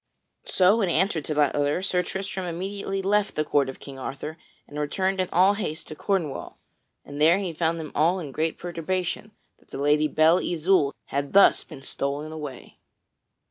So in answer to that letter, Sir Tristram immediately left the court of King Arthur and returned in all haste to Cornwall, and there he found them all in great perturbation that the Lady Belle Isoult had thus been stolen away.